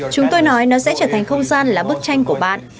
chúng tôi nói nó sẽ trở thành không gian là bức tranh của bạn